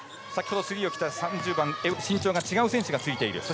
先ほどスリーを切った身長が違う選手がついている。